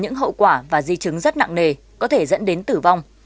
những hậu quả và di chứng rất nặng nề có thể dẫn đến tử vong